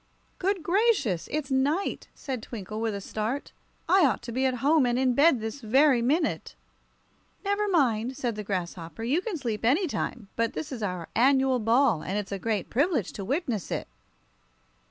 "Good gracious! It's night," said Twinkle, with a start. "I ought to be at home and in bed this very minute!" "Never mind," said the grasshopper; "you can sleep any time, but this is our annual ball, and it's a great privilege to witness it."